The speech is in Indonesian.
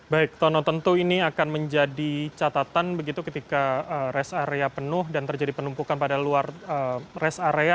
baik tono tentu ini akan menjadi catatan begitu ketika rest area penuh dan terjadi penumpukan pada luar rest area